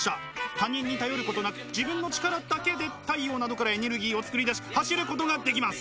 他人に頼ることなく自分の力だけで太陽などからエネルギーを作り出し走ることができます。